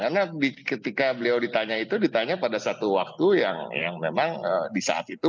karena ketika beliau ditanya itu ditanya pada satu waktu yang memang di saat itu